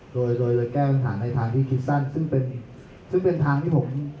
โดยโดยจะแก้ปัญหาในทางที่คิดสั้นซึ่งเป็นซึ่งเป็นทางที่ผม